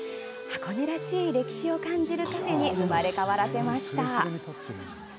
箱根らしい歴史を感じるカフェに生まれ変わらせました。